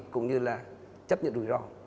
cũng như là chấp nhận rủi ro